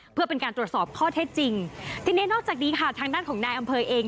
เพื่อเป็นการตรวจสอบข้อเท็จจริงทีนี้นอกจากนี้ค่ะทางด้านของนายอำเภอเอง